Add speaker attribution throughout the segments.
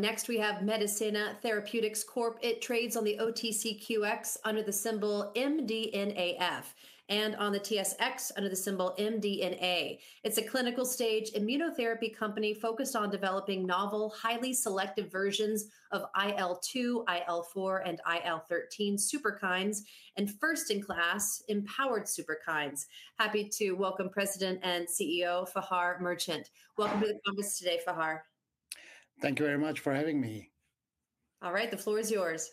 Speaker 1: Next, we have Medicenna Therapeutics. It trades on the OTCQX under the symbol MDNAF, and on the TSX under the symbol MDNA. It's a clinical-stage immunotherapy company focused on developing novel, highly selective versions of IL-2, IL-4, and IL-13 superkines, and first-in-class empowered superkines. Happy to welcome President and CEO Fahar Merchant. Welcome to the Congress today, Fahar.
Speaker 2: Thank you very much for having me.
Speaker 1: All right, the floor is yours.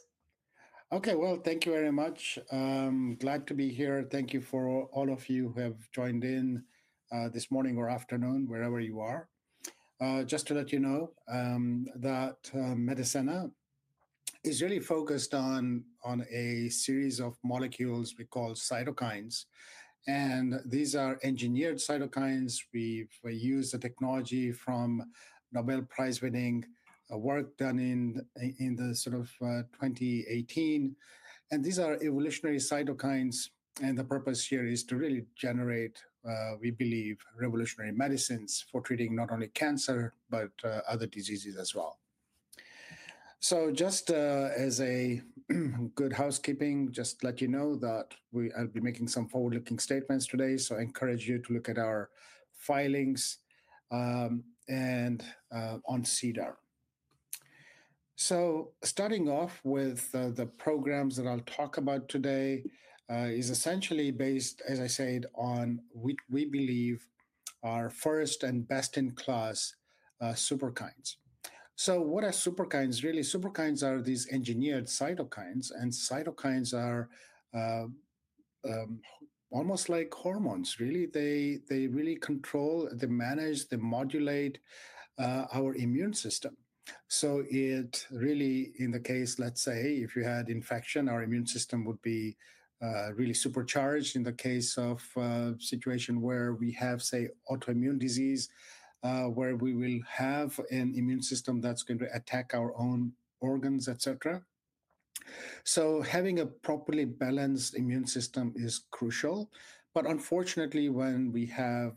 Speaker 2: Okay, thank you very much. Glad to be here. Thank you for all of you who have joined in this morning or afternoon, wherever you are. Just to let you know that Medicenna is really focused on a series of molecules we call cytokines. These are engineered cytokines. We use the technology from Nobel Prize-winning work done in 2018. These are evolutionary cytokines. The purpose here is to really generate, we believe, revolutionary medicines for treating not only cancer, but other diseases as well. Just as a good housekeeping, just to let you know that I'll be making some forward-looking statements today. I encourage you to look at our filings and on SEDAR. Starting off with the programs that I'll talk about today is essentially based, as I said, on what we believe are first and best-in-class superkines. What are superkines? Really, superkines are these engineered cytokines. Cytokines are almost like hormones, really. They really control, they manage, they modulate our immune system. In the case, let's say, if you had infection, our immune system would be really supercharged. In the case of a situation where we have, say, autoimmune disease, we will have an immune system that's going to attack our own organs, et cetera. Having a properly balanced immune system is crucial. Unfortunately, when we have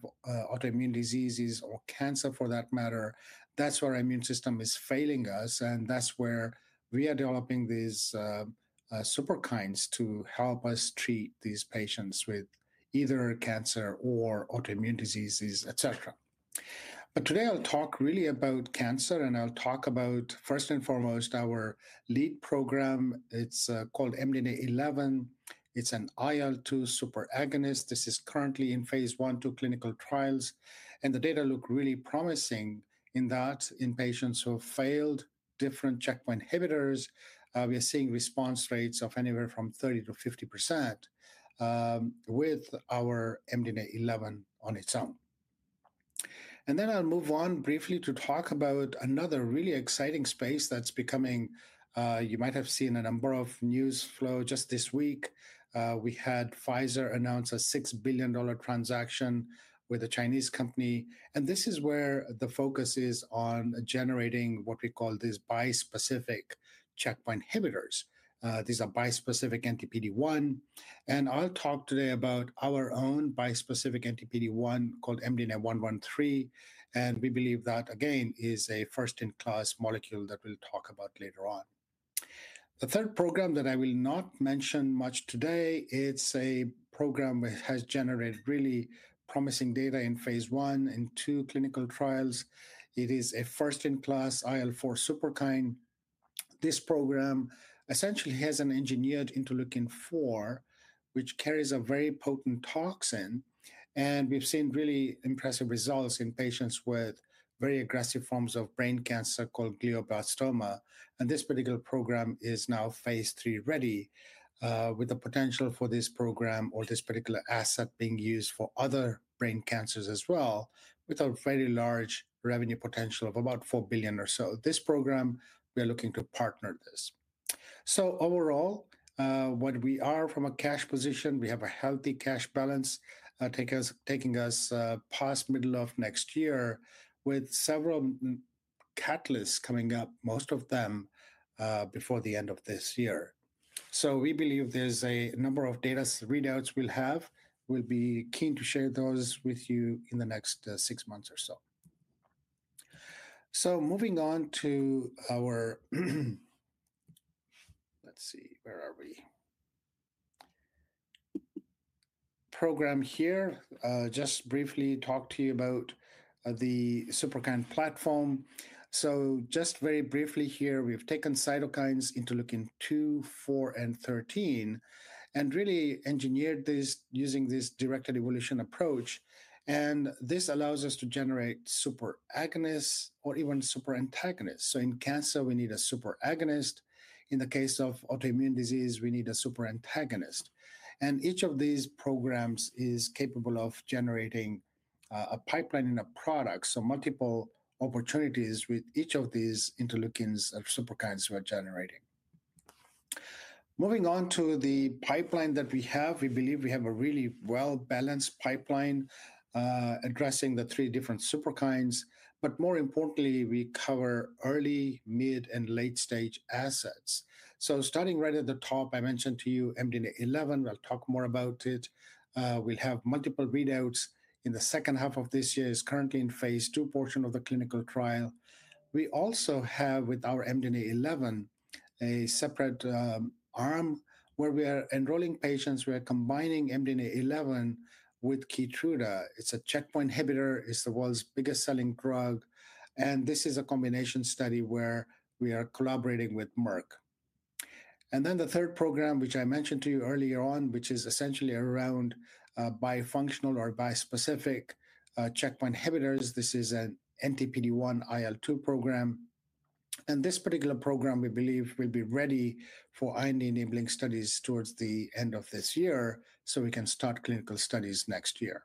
Speaker 2: autoimmune diseases or cancer, for that matter, that's where our immune system is failing us. That is where we are developing these superkines to help us treat these patients with either cancer or autoimmune diseases, et cetera. Today, I'll talk really about cancer. I'll talk about, first and foremost, our lead program. It's called MDNA-11. It's an IL-2 superagonist. This is currently in phase I/II clinical trials. The data look really promising in that in patients who have failed different checkpoint inhibitors, we are seeing response rates of anywhere from 30%-50% with our MDNA-11 on its own. I'll move on briefly to talk about another really exciting space that's becoming, you might have seen a number of news flow just this week. We had Pfizer announce a $6 billion transaction with a Chinese company. This is where the focus is on generating what we call these bispecific checkpoint inhibitors. These are bispecific anti-PD-1. I'll talk today about our own bispecific anti-PD-1 called MDNA-113. We believe that, again, is a first-in-class molecule that we'll talk about later on. The third program that I will not mention much today, it's a program that has generated really promising data in phase I and II clinical trials. It is a first-in-class IL-4 superkine. This program essentially has an engineered interleukin 4, which carries a very potent toxin. We have seen really impressive results in patients with very aggressive forms of brain cancer called glioblastoma. This particular program is now phase III ready, with the potential for this program, or this particular asset, being used for other brain cancers as well, with a very large revenue potential of about $4 billion or so. This program, we are looking to partner this. Overall, when we are from a cash position, we have a healthy cash balance, taking us past middle of next year with several catalysts coming up, most of them before the end of this year. We believe there's a number of data readouts we'll have. We'll be keen to share those with you in the next six months or so. Moving on to our, let's see, where are we? Program here, just briefly talk to you about the superkine platform. Just very briefly here, we've taken cytokines interleukin 2, 4, and 13, and really engineered this using this directed evolution approach. This allows us to generate superagonists or even superantagonists. In cancer, we need a superagonist. In the case of autoimmune disease, we need a superantagonist. Each of these programs is capable of generating a pipeline and a product. Multiple opportunities with each of these interleukins or superkines we're generating. Moving on to the pipeline that we have, we believe we have a really well-balanced pipeline addressing the three different superkines. More importantly, we cover early, mid, and late-stage assets. Starting right at the top, I mentioned to you MDNA-11. I'll talk more about it. We'll have multiple readouts in the second half of this year. It's currently in the phase II portion of the clinical trial. We also have, with our MDNA-11, a separate arm where we are enrolling patients. We are combining MDNA-11 with Keytruda. It's a checkpoint inhibitor. It's the world's biggest selling drug. This is a combination study where we are collaborating with Merck. The third program, which I mentioned to you earlier on, is essentially around bifunctional or bispecific checkpoint inhibitors. This is an anti-PD-1 IL-2 program. This particular program, we believe, will be ready for IND enabling studies towards the end of this year, so we can start clinical studies next year.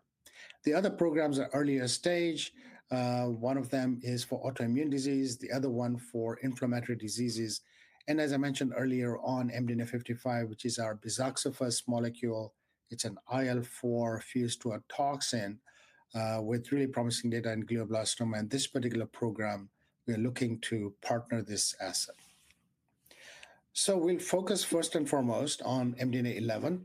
Speaker 2: The other programs are earlier stage. One of them is for autoimmune disease, the other one for inflammatory diseases. As I mentioned earlier on, MDNA-55, which is our Bizaxofusp molecule, it's an IL-4 fused to a toxin with really promising data in glioblastoma. This particular program, we are looking to partner this asset. We'll focus first and foremost on MDNA-11.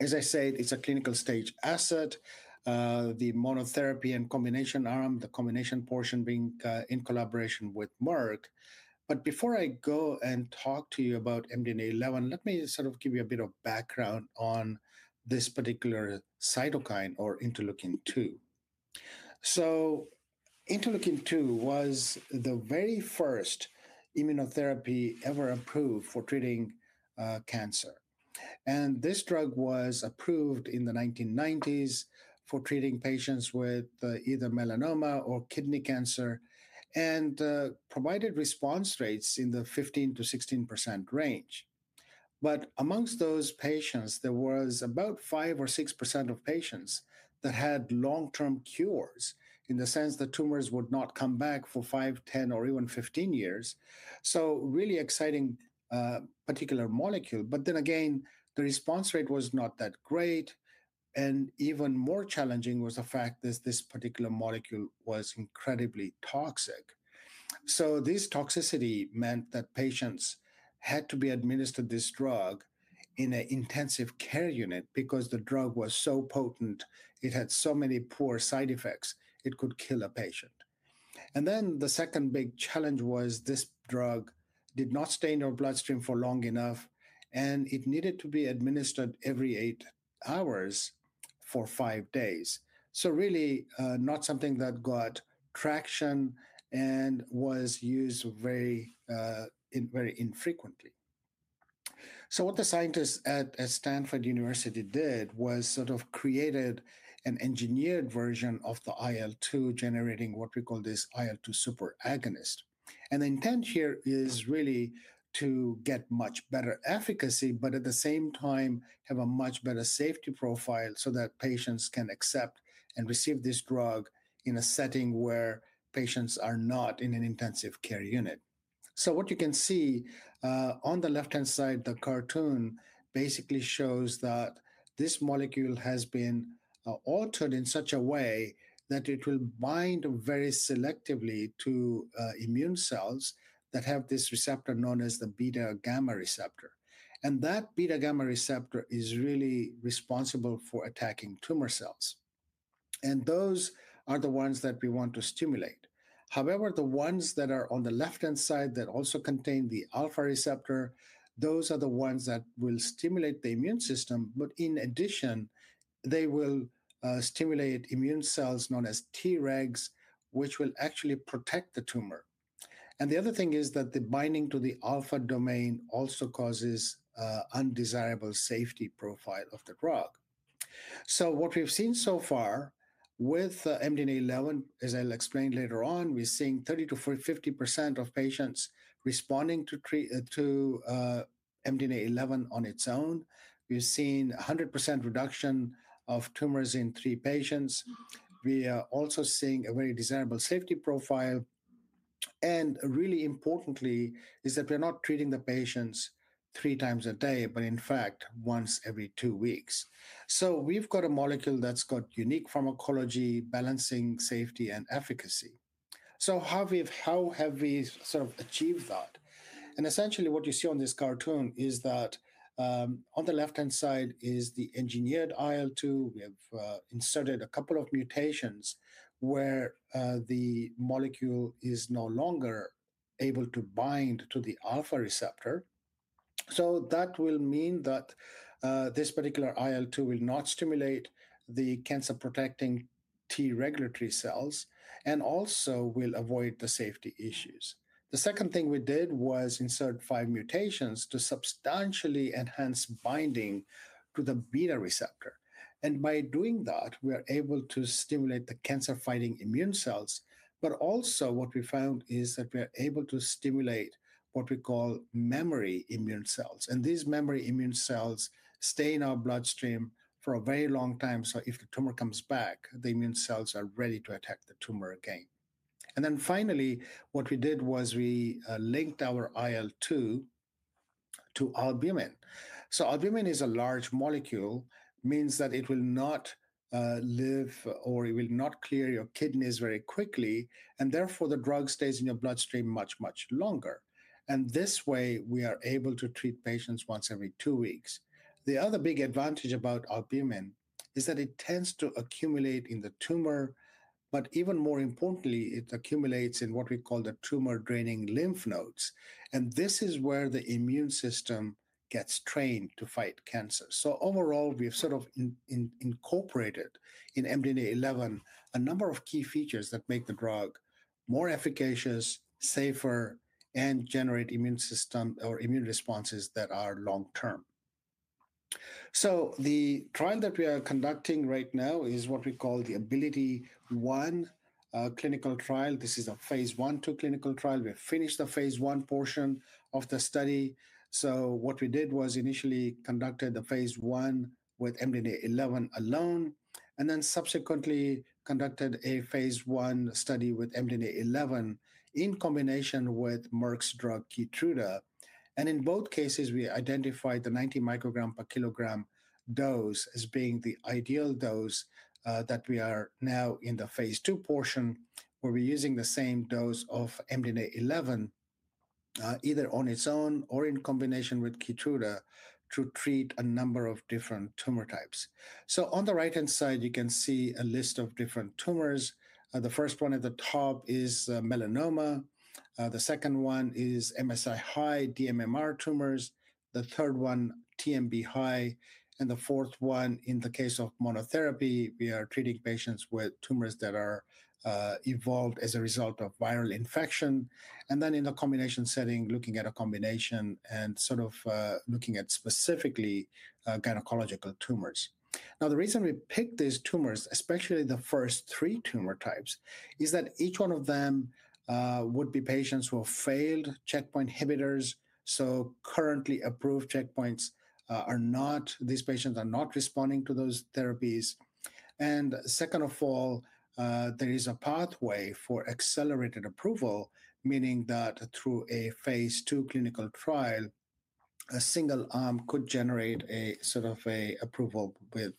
Speaker 2: As I said, it's a clinical-stage asset, the monotherapy and combination arm, the combination portion being in collaboration with Merck. Before I go and talk to you about MDNA-11, let me sort of give you a bit of background on this particular cytokine or interleukin 2. Interleukin 2 was the very first immunotherapy ever approved for treating cancer. This drug was approved in the 1990s for treating patients with either melanoma or kidney cancer and provided response rates in the 15%-16% range. Amongst those patients, there was about 5% or 6% of patients that had long-term cures, in the sense that tumors would not come back for 5, 10, or even 15 years. Really exciting particular molecule. The response rate was not that great. Even more challenging was the fact that this particular molecule was incredibly toxic. This toxicity meant that patients had to be administered this drug in an intensive care unit because the drug was so potent, it had so many poor side effects, it could kill a patient. The second big challenge was this drug did not stay in your bloodstream for long enough, and it needed to be administered every eight hours for five days. Really not something that got traction and was used very infrequently. What the scientists at Stanford University did was sort of created an engineered version of the IL-2, generating what we call this IL-2 superagonist. The intent here is really to get much better efficacy, but at the same time, have a much better safety profile so that patients can accept and receive this drug in a setting where patients are not in an intensive care unit. What you can see on the left-hand side, the cartoon basically shows that this molecule has been altered in such a way that it will bind very selectively to immune cells that have this receptor known as the beta-gamma receptor. That beta-gamma receptor is really responsible for attacking tumor cells. Those are the ones that we want to stimulate. However, the ones that are on the left-hand side that also contain the alpha receptor, those are the ones that will stimulate the immune system. But in addition, they will stimulate immune cells known as Tregs, which will actually protect the tumor. The other thing is that the binding to the alpha domain also causes undesirable safety profile of the drug. What we've seen so far with MDNA-11, as I'll explain later on, we're seeing 30%-50% of patients responding to MDNA-11 on its own. We've seen 100% reduction of tumors in three patients. We are also seeing a very desirable safety profile. Really importantly, we're not treating the patients three times a day, but in fact, once every two weeks. We've got a molecule that's got unique pharmacology, balancing safety and efficacy. How have we sort of achieved that? Essentially, what you see on this cartoon is that on the left-hand side is the engineered IL-2. We have inserted a couple of mutations where the molecule is no longer able to bind to the alpha receptor. That will mean that this particular IL-2 will not stimulate the cancer-protecting T regulatory cells and also will avoid the safety issues. The second thing we did was insert five mutations to substantially enhance binding to the beta receptor. By doing that, we are able to stimulate the cancer-fighting immune cells. Also, what we found is that we are able to stimulate what we call memory immune cells. These memory immune cells stay in our bloodstream for a very long time. If the tumor comes back, the immune cells are ready to attack the tumor again. Finally, what we did was we linked our IL-2 to albumin. Albumin is a large molecule, which means that it will not clear your kidneys very quickly. Therefore, the drug stays in your bloodstream much, much longer. In this way, we are able to treat patients once every two weeks. The other big advantage about albumin is that it tends to accumulate in the tumor. Even more importantly, it accumulates in what we call the tumor-draining lymph nodes. This is where the immune system gets trained to fight cancer. Overall, we have sort of incorporated in MDNA-11 a number of key features that make the drug more efficacious, safer, and generate immune system or immune responses that are long-term. The trial that we are conducting right now is what we call the AbilityOne clinical trial. This is a phase I/II clinical trial. We have finished the phase I portion of the study. What we did was initially conducted the phase I with MDNA-11 alone, and then subsequently conducted a phase I study with MDNA-11 in combination with Merck's drug Keytruda. In both cases, we identified the 90 microgram per kilogram dose as being the ideal dose that we are now in the phase II portion, where we're using the same dose of MDNA-11, either on its own or in combination with Keytruda to treat a number of different tumor types. On the right-hand side, you can see a list of different tumors. The first one at the top is melanoma. The second one is MSI high DMMR tumors. The third one, TMB high. The fourth one, in the case of monotherapy, we are treating patients with tumors that are evolved as a result of viral infection. In the combination setting, looking at a combination and sort of looking at specifically gynecological tumors. The reason we picked these tumors, especially the first three tumor types, is that each one of them would be patients who have failed checkpoint inhibitors. Currently approved checkpoints are not, these patients are not responding to those therapies. Second of all, there is a pathway for accelerated approval, meaning that through a phase II clinical trial, a single arm could generate a sort of approval with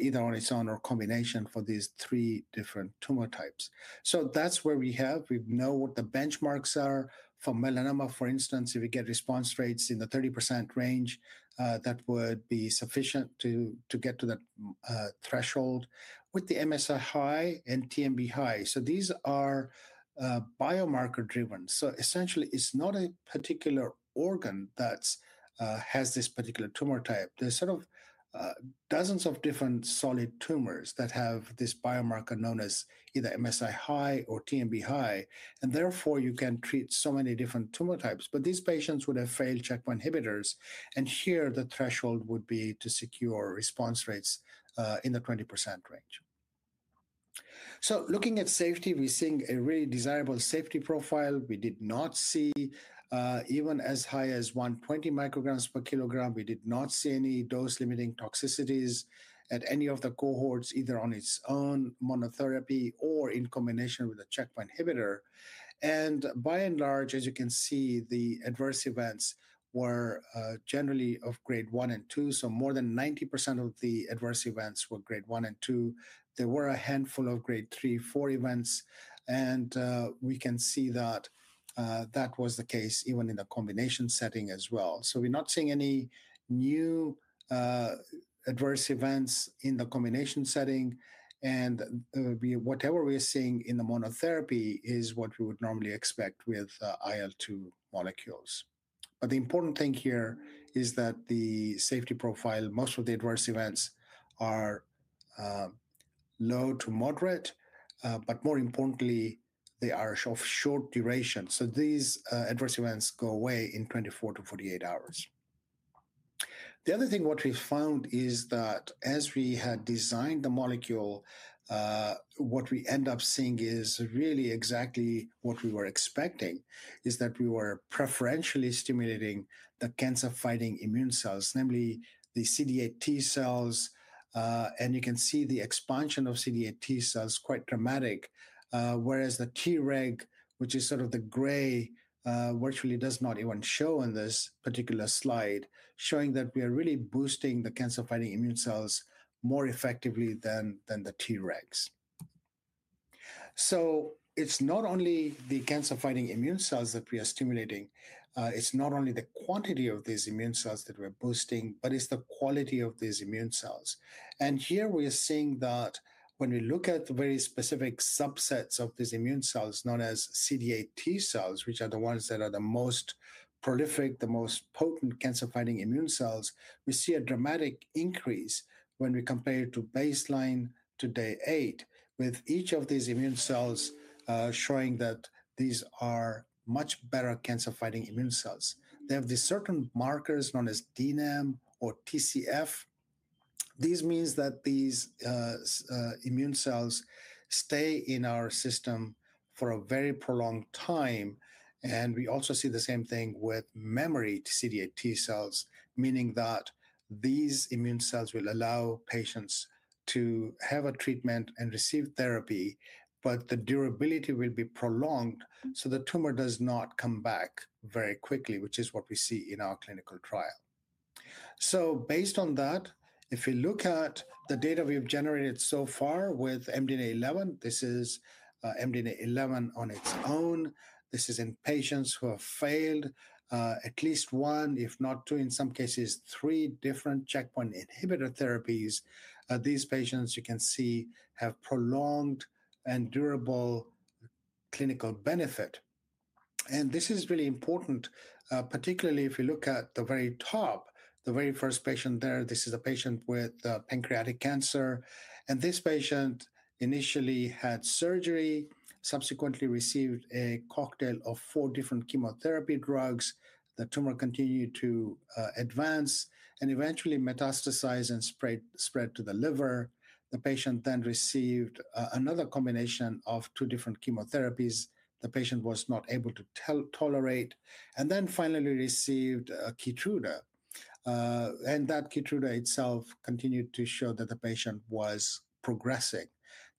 Speaker 2: either on its own or combination for these three different tumor types. That is where we have, we know what the benchmarks are for melanoma. For instance, if we get response rates in the 30% range, that would be sufficient to get to that threshold with the MSI high and TMB high. These are biomarker-driven. Essentially, it's not a particular organ that has this particular tumor type. There are sort of dozens of different solid tumors that have this biomarker known as either MSI high or TMB high. Therefore, you can treat so many different tumor types. These patients would have failed checkpoint inhibitors. Here, the threshold would be to secure response rates in the 20% range. Looking at safety, we're seeing a really desirable safety profile. We did not see, even as high as 120 micrograms per kilogram, any dose-limiting toxicities at any of the cohorts, either on its own, monotherapy, or in combination with a checkpoint inhibitor. By and large, as you can see, the adverse events were generally of grade one and two. More than 90% of the adverse events were grade one and two. There were a handful of grade three, four events. We can see that that was the case even in the combination setting as well. We are not seeing any new adverse events in the combination setting. Whatever we are seeing in the monotherapy is what we would normally expect with IL-2 molecules. The important thing here is that the safety profile, most of the adverse events are low to moderate. More importantly, they are of short duration. These adverse events go away in 24-48 hours. The other thing what we found is that as we had designed the molecule, what we end up seeing is really exactly what we were expecting, is that we were preferentially stimulating the cancer-fighting immune cells, namely the CD8 T cells. You can see the expansion of CD8 T cells quite dramatic, whereas the Treg, which is sort of the gray, virtually does not even show in this particular slide, showing that we are really boosting the cancer-fighting immune cells more effectively than the Tregs. It is not only the cancer-fighting immune cells that we are stimulating. It is not only the quantity of these immune cells that we are boosting, but it is the quality of these immune cells. Here we are seeing that when we look at the very specific subsets of these immune cells known as CD8 T cells, which are the ones that are the most prolific, the most potent cancer-fighting immune cells, we see a dramatic increase when we compare to baseline to day eight, with each of these immune cells showing that these are much better cancer-fighting immune cells. They have these certain markers known as DNAM or TCF. This means that these immune cells stay in our system for a very prolonged time. We also see the same thing with memory to CD8 T cells, meaning that these immune cells will allow patients to have a treatment and receive therapy, but the durability will be prolonged so the tumor does not come back very quickly, which is what we see in our clinical trial. Based on that, if we look at the data we have generated so far with MDNA-11, this is MDNA-11 on its own. This is in patients who have failed at least one, if not two, in some cases, three different checkpoint inhibitor therapies. These patients, you can see, have prolonged and durable clinical benefit. This is really important, particularly if you look at the very top, the very first patient there, this is a patient with pancreatic cancer. This patient initially had surgery, subsequently received a cocktail of four different chemotherapy drugs. The tumor continued to advance and eventually metastasize and spread to the liver. The patient then received another combination of two different chemotherapies. The patient was not able to tolerate. Finally, received Keytruda. That Keytruda itself continued to show that the patient was progressing.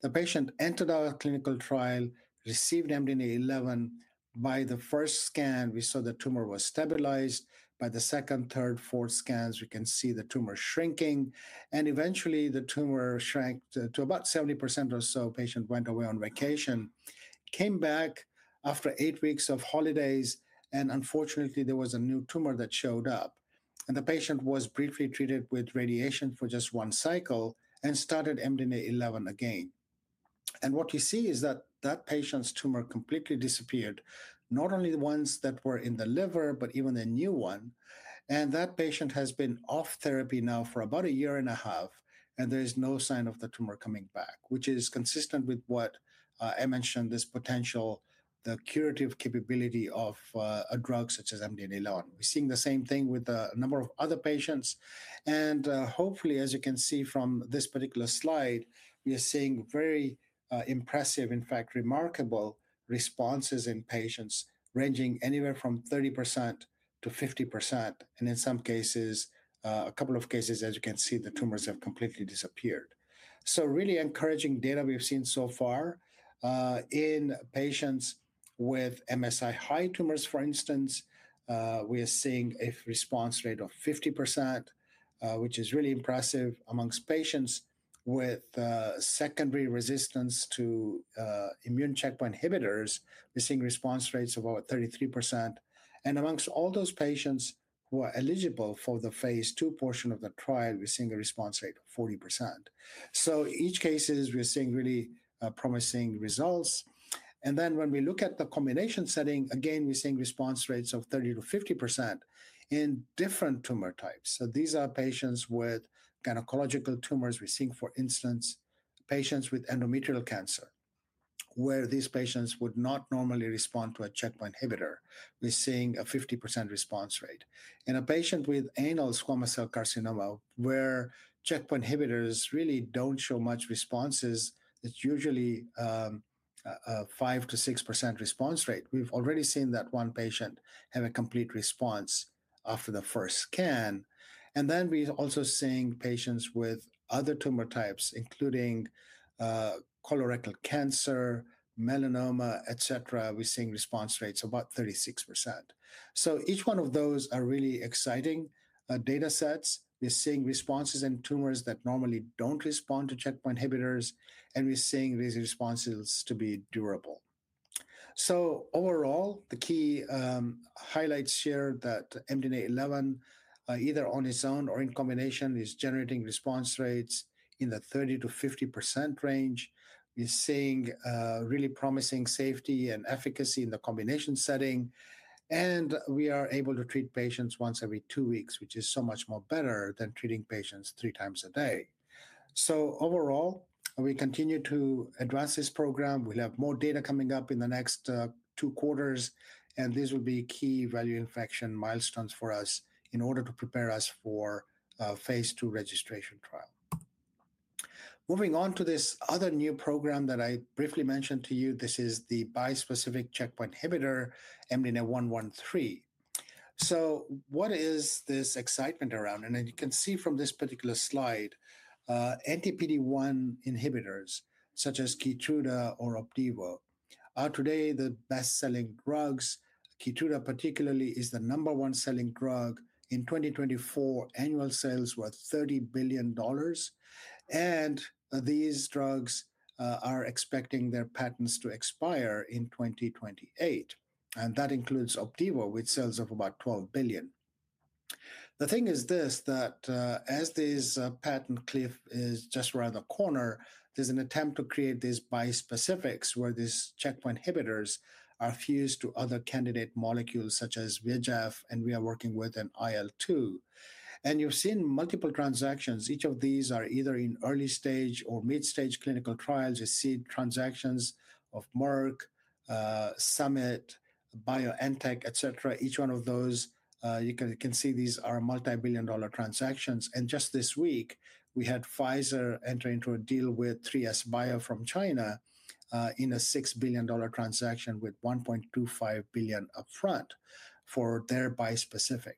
Speaker 2: The patient entered our clinical trial, received MDNA-11. By the first scan, we saw the tumor was stabilized. By the second, third, fourth scans, we can see the tumor shrinking. Eventually, the tumor shrank to about 70% or so. The patient went away on vacation, came back after eight weeks of holidays. Unfortunately, there was a new tumor that showed up. The patient was briefly treated with radiation for just one cycle and started MDNA-11 again. What you see is that that patient's tumor completely disappeared, not only the ones that were in the liver, but even the new one. That patient has been off therapy now for about a year and a half. There is no sign of the tumor coming back, which is consistent with what I mentioned, this potential, the curative capability of a drug such as MDNA-11. We're seeing the same thing with a number of other patients. Hopefully, as you can see from this particular slide, we are seeing very impressive, in fact, remarkable responses in patients ranging anywhere from 30%-50%. In some cases, a couple of cases, as you can see, the tumors have completely disappeared. Really encouraging data we've seen so far. In patients with MSI high tumors, for instance, we are seeing a response rate of 50%, which is really impressive amongst patients with secondary resistance to immune checkpoint inhibitors. We're seeing response rates of about 33%. Amongst all those patients who are eligible for the phase two portion of the trial, we're seeing a response rate of 40%. Each case, we're seeing really promising results. When we look at the combination setting, again, we're seeing response rates of 30%-50% in different tumor types. These are patients with gynecological tumors. We're seeing, for instance, patients with endometrial cancer, where these patients would not normally respond to a checkpoint inhibitor. We're seeing a 50% response rate. In a patient with anal squamous cell carcinoma, where checkpoint inhibitors really do not show much responses, it's usually a 5%-6% response rate. We've already seen that one patient have a complete response after the first scan. We're also seeing patients with other tumor types, including colorectal cancer, melanoma, et cetera. We're seeing response rates of about 36%. Each one of those are really exciting data sets. We're seeing responses in tumors that normally do not respond to checkpoint inhibitors. We're seeing these responses to be durable. Overall, the key highlights here are that MDNA-11, either on its own or in combination, is generating response rates in the 30%-50% range. We're seeing really promising safety and efficacy in the combination setting. We are able to treat patients once every two weeks, which is so much better than treating patients three times a day. Overall, we continue to advance this program. We'll have more data coming up in the next two quarters. These will be key value inflection milestones for us in order to prepare us for a phase two registration trial. Moving on to this other new program that I briefly mentioned to you, this is the bispecific checkpoint inhibitor, MDNA-113. What is this excitement around? As you can see from this particular slide, PD-1 inhibitors, such as Keytruda or Opdivo, are today the best-selling drugs. Keytruda, particularly, is the number one selling drug. In 2024, annual sales were $30 billion. These drugs are expecting their patents to expire in 2028. That includes Opdivo, which sells for about $12 billion. The thing is this: as this patent cliff is just around the corner, there's an attempt to create these bispecifics, where these checkpoint inhibitors are fused to other candidate molecules, such as VEGF, and we are working with an IL-2. You've seen multiple transactions. Each of these are either in early stage or mid-stage clinical trials. You see transactions of Merck, Summit, BioNTech, et cetera. Each one of those, you can see these are multi-billion dollar transactions. Just this week, we had Pfizer enter into a deal with 3SBio from China in a $6 billion transaction with $1.25 billion upfront for their bispecific.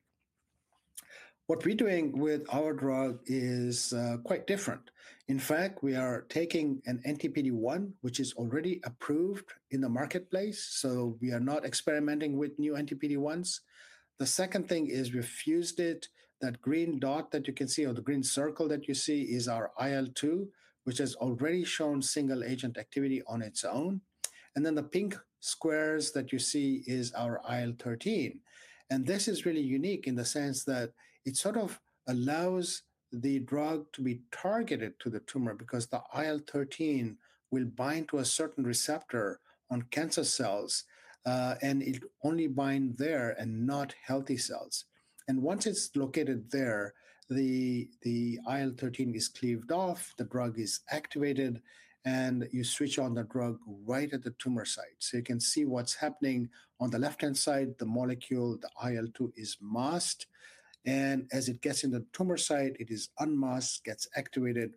Speaker 2: What we're doing with our drug is quite different. In fact, we are taking an anti-PD-1, which is already approved in the marketplace. We are not experimenting with new anti-PD-1s. The second thing is we've fused it. That green dot that you can see, or the green circle that you see, is our IL-2, which has already shown single-agent activity on its own. The pink squares that you see is our IL-13. This is really unique in the sense that it sort of allows the drug to be targeted to the tumor because the IL-13 will bind to a certain receptor on cancer cells. It only binds there and not healthy cells. Once it's located there, the IL-13 is cleaved off. The drug is activated. You switch on the drug right at the tumor site. You can see what's happening on the left-hand side. The molecule, the IL-2, is masked. As it gets in the tumor site, it is unmasked, gets activated.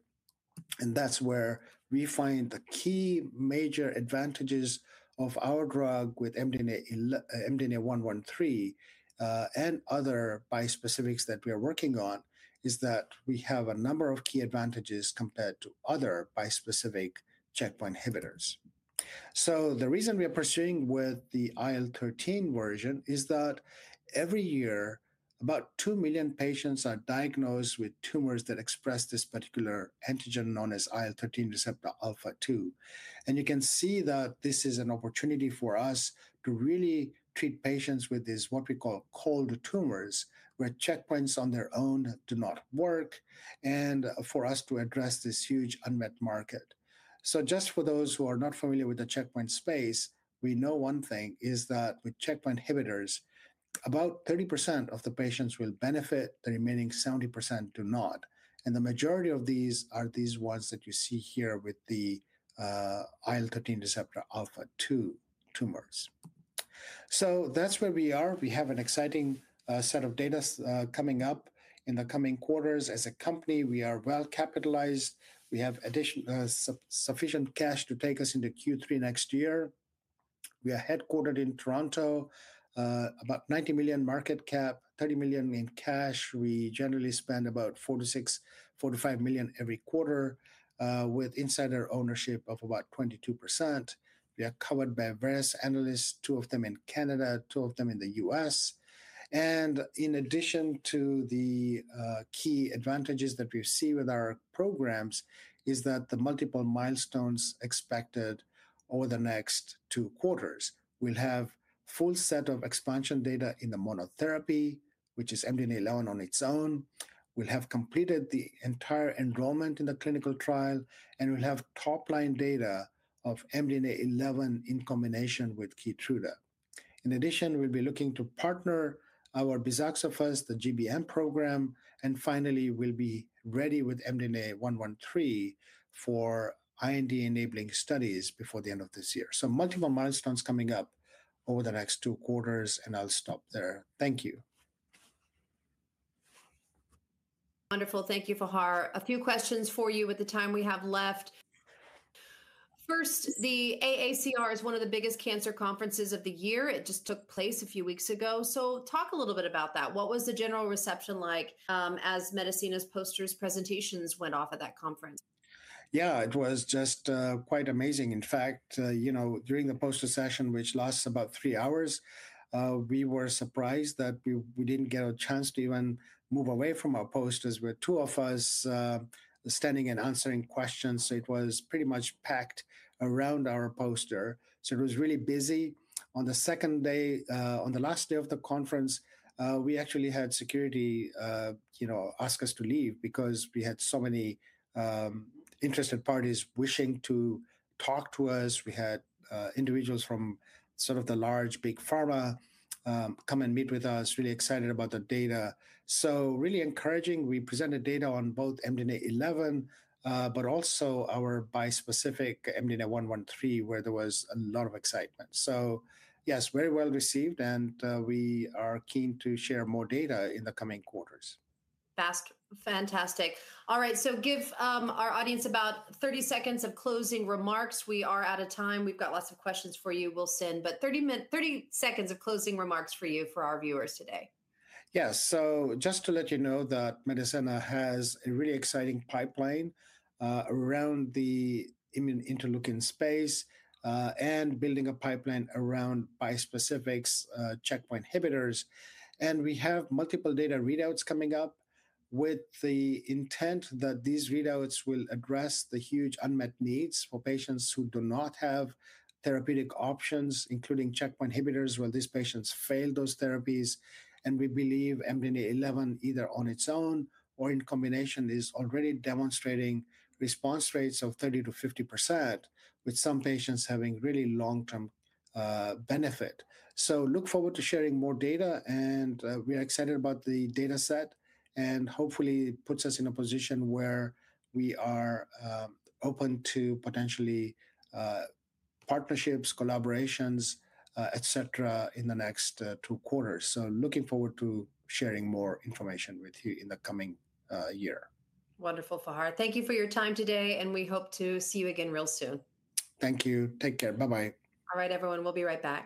Speaker 2: That is where we find the key major advantages of our drug with MDNA-113 and other bispecifics that we are working on, is that we have a number of key advantages compared to other bispecific checkpoint inhibitors. The reason we are pursuing with the IL-13 version is that every year, about 2 million patients are diagnosed with tumors that express this particular antigen known as IL-13 receptor alpha-2. You can see that this is an opportunity for us to really treat patients with this, what we call cold tumors, where checkpoints on their own do not work, and for us to address this huge unmet market. Just for those who are not familiar with the checkpoint space, we know one thing is that with checkpoint inhibitors, about 30% of the patients will benefit. The remaining 70% do not. The majority of these are these ones that you see here with the IL-13 receptor alpha-2 tumors. That is where we are. We have an exciting set of data coming up in the coming quarters. As a company, we are well capitalized. We have sufficient cash to take us into Q3 next year. We are headquartered in Toronto, about 90 million market cap, 30 million in cash. We generally spend about 4 million-5 million every quarter with insider ownership of about 22%. We are covered by various analysts, two of them in Canada, two of them in the U.S. In addition to the key advantages that we see with our programs, there are multiple milestones expected over the next two quarters. We will have a full set of expansion data in the monotherapy, which is MDNA-11 on its own. We'll have completed the entire enrollment in the clinical trial. We'll have top-line data of MDNA-11 in combination with Keytruda. In addition, we'll be looking to partner our Bisoxophers, the GBM program. Finally, we'll be ready with MDNA-113 for IND-enabling studies before the end of this year. Multiple milestones coming up over the next two quarters. I'll stop there. Thank you.
Speaker 1: Wonderful. Thank you, Fahar. A few questions for you with the time we have left. First, the AACR is one of the biggest cancer conferences of the year. It just took place a few weeks ago. Talk a little bit about that. What was the general reception like as Medicenna's posters, presentations went off at that conference?
Speaker 2: Yeah, it was just quite amazing. In fact, during the poster session, which lasts about three hours, we were surprised that we did not get a chance to even move away from our posters. There were two of us standing and answering questions. It was pretty much packed around our poster. It was really busy. On the second day, on the last day of the conference, we actually had security ask us to leave because we had so many interested parties wishing to talk to us. We had individuals from sort of the large big pharma come and meet with us, really excited about the data. Really encouraging. We presented data on both MDNA-11, but also our bispecific MDNA-113, where there was a lot of excitement. Yes, very well received. We are keen to share more data in the coming quarters.
Speaker 1: Fantastic. All right. Give our audience about 30 seconds of closing remarks. We are out of time. We have lots of questions for you, Wilson, but 30 seconds of closing remarks for our viewers today.
Speaker 2: Yes. Just to let you know that Medicenna has a really exciting pipeline around the immune interleukin space and building a pipeline around bispecifics checkpoint inhibitors. We have multiple data readouts coming up with the intent that these readouts will address the huge unmet needs for patients who do not have therapeutic options, including checkpoint inhibitors, where these patients fail those therapies. We believe MDNA-11, either on its own or in combination, is already demonstrating response rates of 30%-50%, with some patients having really long-term benefit. Look forward to sharing more data. We are excited about the data set. Hopefully, it puts us in a position where we are open to potentially partnerships, collaborations, et cetera, in the next two quarters. Looking forward to sharing more information with you in the coming year.
Speaker 1: Wonderful, Fahar. Thank you for your time today. We hope to see you again real soon. Thank you. Take care. Bye-bye. All right, everyone. We'll be right back.